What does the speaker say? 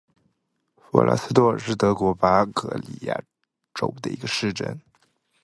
弗拉斯多尔夫是德国巴伐利亚州的一个市镇。